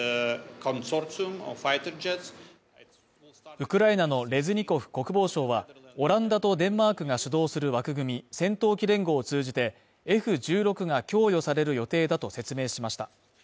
ウクライナのレズニコフ国防相は、オランダとデンマークが主導する枠組み、戦闘機連合を通じて、Ｆ１６が供与される予定だと説明しました。